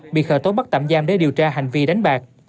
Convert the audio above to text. bị khởi tố bắt tạm giam để điều tra hành vi đánh bạc